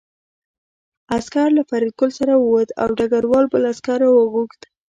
عسکر له فریدګل سره ووت او ډګروال بل عسکر راوغوښت